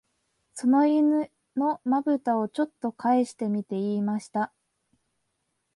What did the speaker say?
その犬の眼ぶたを、ちょっとかえしてみて言いました